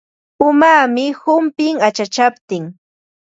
Umaami humpin achachaptin.